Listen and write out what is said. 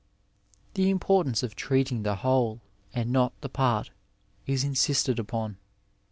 ^ The importance of treating the whole and not the part is insisted upon.